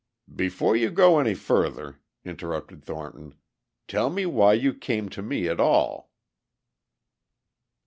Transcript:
"Before you go any further," interrupted Thornton, "tell me why you came to me at all?"